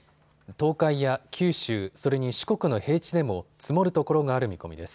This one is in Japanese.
東海や九州、それに四国の平地でも積もるところがある見込みです。